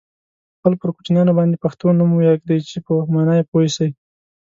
خپل پر کوچنیانو باندي پښتو نوم ویږدوی چې په مانا یې پوه سی.